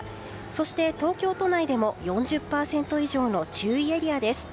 そして東京都内でも４０％以上の注意エリアです。